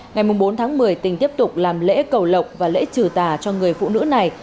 ngày bốn tháng một mươi tỉnh tiếp tục làm lễ cầu lộc và lễ trừ tà cho người phụ nữ này